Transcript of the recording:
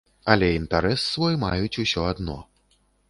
Але інтарэс свой маюць усё адно.